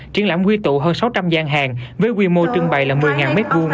triển lãm quy tụ hơn sáu trăm linh gian hàng với quy mô trưng bày là một mươi m hai